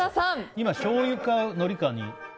今、しょうゆか、のりか。